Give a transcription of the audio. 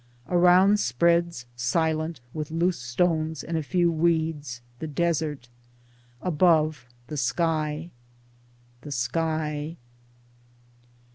Around spreads, silent, with loose stones and a few weeds, the desert ; above, the sky. The Sky